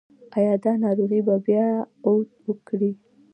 ایا دا ناروغي به بیا عود وکړي؟